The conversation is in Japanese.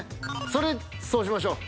それそうしましょう。